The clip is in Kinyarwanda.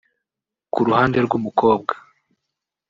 Ku ruhande rw’umukobwa